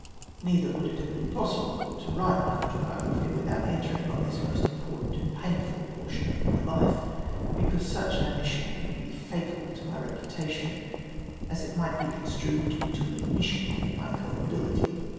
Neither would it have been possible to write my auto biography without entering on this most important [uid paurfnl portion of my life, because such an omission Avould be fatal to my reputation, as it might be con strued into an admission of my culpability.